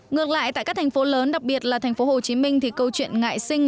ngược lại tại các thành phố lớn đặc biệt là thành phố hồ chí minh thì câu chuyện ngại sinh